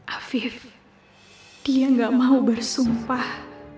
afif dia gak mau bersumpah